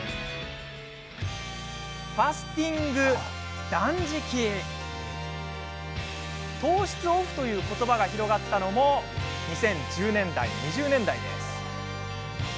ファスティング、断食、糖質オフという言葉が広がったのも２０１０年、２０２０年代です。